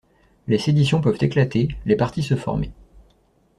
Les séditions peuvent éclater, les partis se former.